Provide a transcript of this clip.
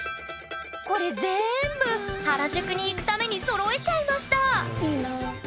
これぜんぶ原宿に行くためにそろえちゃいましたいいな。